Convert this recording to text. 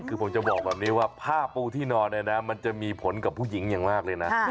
คือผมจะบอกแบบนี้ว่าผ้าปูที่นอนเนี่ยนะมันจะมีผลกับผู้หญิงอย่างมากเลยนะ